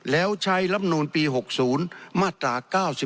แล้วใช้ลำนูลปี๖๐มาตรา๙๔